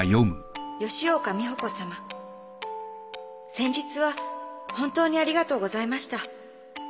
先日は本当にありがとうございました。